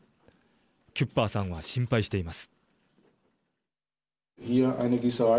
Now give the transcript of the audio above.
キュッパーさんは心配しています。